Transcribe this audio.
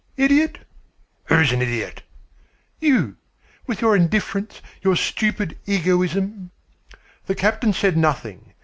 "Idiot!" "Who's an idiot?" "You, with your indifference, your stupid egoism." The captain said nothing.